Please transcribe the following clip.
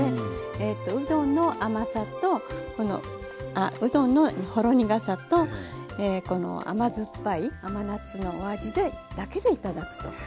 ええとうどの甘さとうどのほろ苦さとこの甘酸っぱい甘夏のお味でだけで頂くと。